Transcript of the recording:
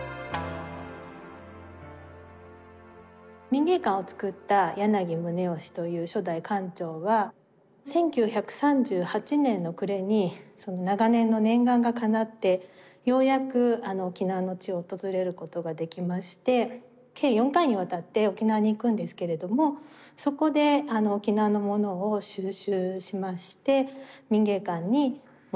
民藝館をつくった柳宗悦という初代館長は１９３８年の暮れに長年の念願がかなってようやく沖縄の地を訪れることができまして計４回にわたって沖縄に行くんですけれどもそこで沖縄のものを収集しまして民藝館に持ち帰りました。